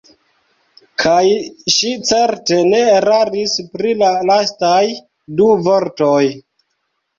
Kaj ŝi certe ne eraris pri la lastaj du vortoj.